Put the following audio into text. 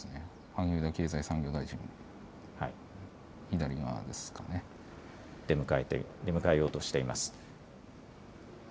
萩生田経済産業大臣、左側ですかね、出迎えようとしています。